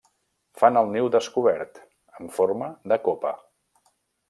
Fan el niu descobert, en forma de copa.